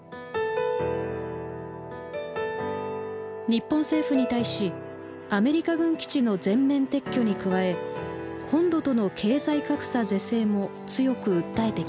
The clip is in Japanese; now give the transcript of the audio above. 日本政府に対し「アメリカ軍基地の全面撤去」に加え「本土との経済格差是正」も強く訴えてきました。